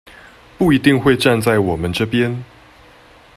不一定會站在我們這邊